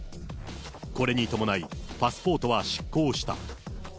これに伴い、パスポートは失効した。